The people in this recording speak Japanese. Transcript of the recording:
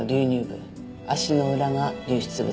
足の裏が流出部。